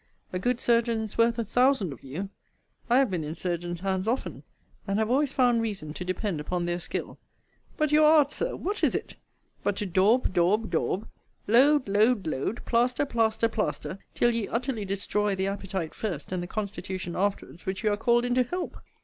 A good surgeon is worth a thousand of you. I have been in surgeons' hands often, and have always found reason to depend upon their skill; but your art, Sir, what is it? but to daub, daub, daub; load, load, load; plaster, plaster, plaster; till ye utterly destroy the appetite first, and the constitution afterwards, which you are called in to help.